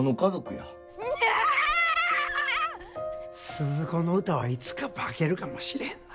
スズ子の歌はいつか化けるかもしれへんな。